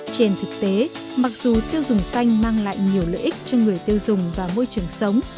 trên thực tế mặc dù tiêu dùng xanh mang lại nhiều lợi ích cho người tiêu dùng và môi trường sống